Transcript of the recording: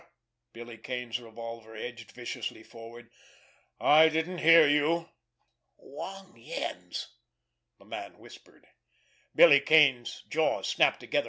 _" Billy Kane's revolver edged viciously forward. "I didn't hear you!" "Wong Yen's," the man whispered. Billy Kane's jaws snapped together.